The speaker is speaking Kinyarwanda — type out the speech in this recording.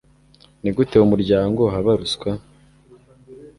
ni gute mu muryango haba ruswa